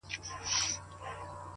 راځي سبا،